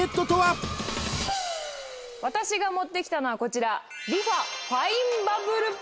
私が持ってきたのはこちら。